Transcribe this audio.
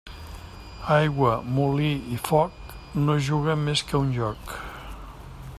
Aigua, molí i foc, no juguen més que a un joc.